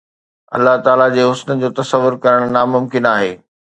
الله تعاليٰ جي حسن جو تصور ڪرڻ ناممڪن آهي